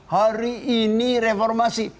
hari ini reformasi